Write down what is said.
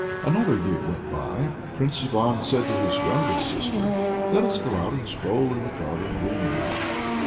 Another year went by. Prince Ivan said to his youngest sister: "Let us go out and stroll in the garden green!"